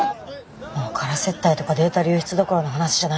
もう空接待とかデータ流出どころの話じゃないですよ。